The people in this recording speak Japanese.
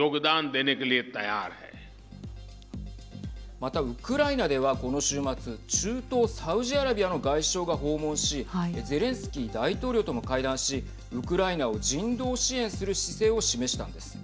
また、ウクライナではこの週末中東サウジアラビアの外相が訪問しゼレンスキー大統領とも会談しウクライナを人道支援する姿勢を示したんです。